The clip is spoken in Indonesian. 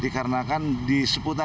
karena di seputar